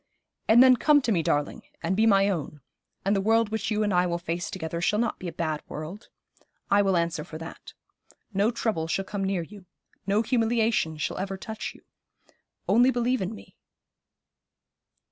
And then come to me, darling, and be my own, and the world which you and I will face together shall not be a bad world. I will answer for that. No trouble shall come near you. No humiliation shall ever touch you. Only believe in me.'